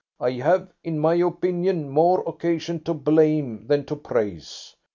I have, in my opinion, more occasion to blame than to praise.